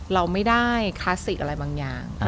เราไม่ได้คลาสสิกอะไรบางอย่าง